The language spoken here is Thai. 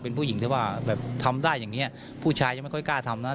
เป็นผู้หญิงทำได้อย่างนี้ผู้ชายไม่ค่อยกล้าทำนะ